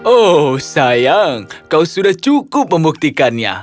oh sayang kau sudah cukup membuktikannya